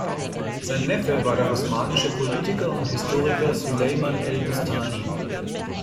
Sein Neffe war der osmanische Politiker und Historiker Süleyman el-Büstani.